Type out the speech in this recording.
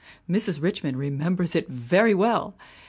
Mrs. Rich mond remembers it very well!